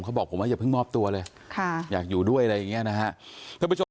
เขาบอกผมว่าอย่าเพิ่งมอบตัวเลยค่ะอยากอยู่ด้วยอะไรอย่างเงี้ยนะฮะ